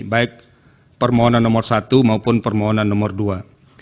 baik permohonan nomor satu maupun permohonan nomor dua